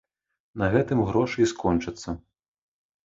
На гэтым грошы і скончацца.